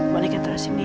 boleh kita taruh sini ya